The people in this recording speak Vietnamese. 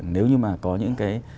nếu như mà có những cái